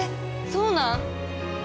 そうなん？